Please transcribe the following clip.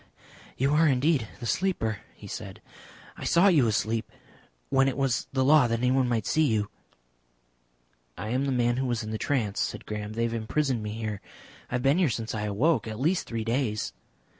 "You are indeed the Sleeper," he said. "I saw you asleep. When it was the law that anyone might see you." "I am the man who was in the trance," said Graham. "They have imprisoned me here. I have been here since I awoke at least three days."